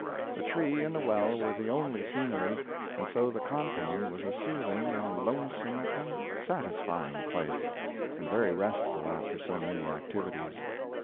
The tree and the well were the only scenery, and so the compound was a soothing and lonesome and satisfying place; and very restful after so many activities.